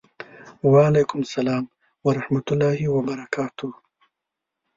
وعلیکم سلام ورحمة الله وبرکاته